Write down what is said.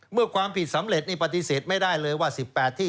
เมื่อความผิดสำเร็จนี่ปฏิเสธไม่ได้เลยว่า๑๘ที่